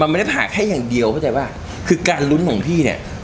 ไม่ได้ผ่าแค่อย่างเดียวเข้าใจป่ะคือการลุ้นของพี่เนี่ย